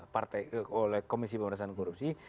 partai oleh komisi pemerintahan korupsi